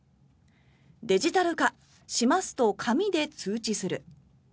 「デジタル化しますと紙で通知する」。